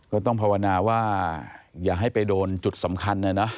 ก็ต้องภาวนาว่าอย่าให้ไปโดนจุดสำคัญนะนะ